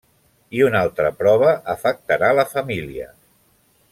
I una altra prova afectarà la família.